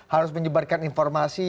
harus menyebarkan informasi